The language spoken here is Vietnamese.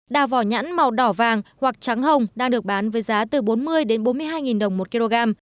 đào vỏ nhãn màu đỏ vàng hoặc trắng hồng đang được bán với giá từ bốn mươi đến bốn mươi hai đồng một kg